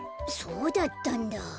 そうだったんだ。